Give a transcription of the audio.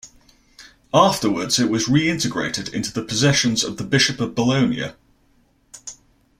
Afterwards it was reintegrated into the possessions of the Bishop of Bologna.